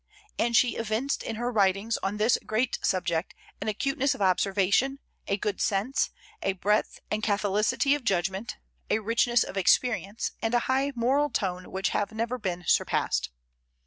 And she evinced in her writings on this great subject an acuteness of observation, a good sense, a breadth and catholicity of judgment, a richness of experience, and a high moral tone which have never been surpassed.